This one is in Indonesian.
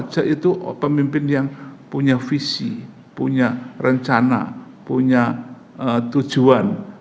saya itu pemimpin yang punya visi punya rencana punya tujuan